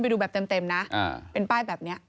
ดูแบบเต็มนะเป็นป้ายแบบนี้